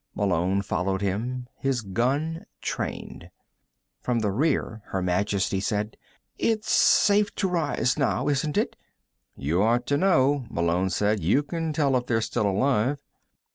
Malone followed him, his gun trained. From the rear, Her Majesty said: "It's safe to rise now, isn't it?" "You ought to know," Malone said. "You can tell if they're still alive."